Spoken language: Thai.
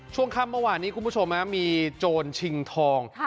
ช่วงค่ำเมื่อวานนี้คุณผู้ชมมีโจรชิงทอง